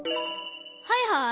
はいはい？